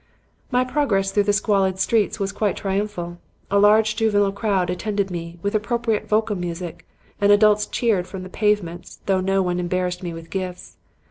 "My progress through the squalid streets was quite triumphal. A large juvenile crowd attended me, with appropriate vocal music, and adults cheered from the pavements, though no one embarrassed me with gifts.